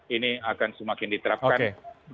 ini akan semakin diterapkan